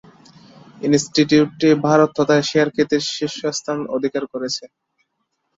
ইনস্টিটিউটটি ভারত তথা এশিয়ায় খ্যাতির শীর্ষস্থান অধিকার করেছে।